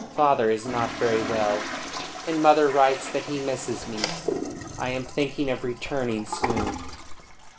Father is not very well, and mother writes that he misses me. I am thinking of returning soon."